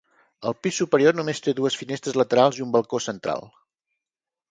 El pis superior només té dues finestres laterals i un balcó central.